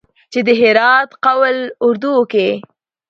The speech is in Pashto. چې د هرات قول اردو کې